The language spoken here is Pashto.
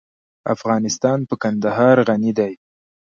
افغانستان په کندهار غني دی.